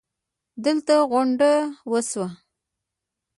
دلته غونډه وشوه